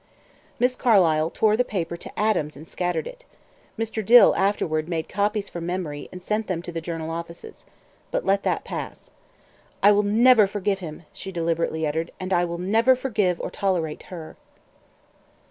Miss Carlyle tore the paper to atoms and scattered it. Mr. Dill afterward made copies from memory, and sent them to the journal offices. But let that pass. "I will never forgive him," she deliberately uttered, "and I will never forgive or tolerate her."